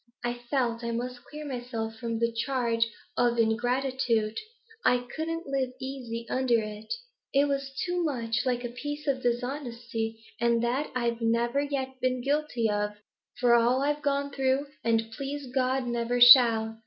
I felt I must clear myself from the charge of in gratitude; I couldn't live easy under it. It was too much like a piece of dishonesty, and that I've never yet been guilty of, for all I've gone through, and, please God, never shall.